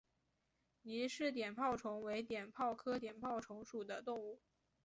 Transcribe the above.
倪氏碘泡虫为碘泡科碘泡虫属的动物。